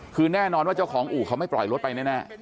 คือแน่นอนว่าเจ้าของอู่เขาไม่ปล่อยรถไปแน่